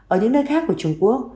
ở những nơi khác của trung quốc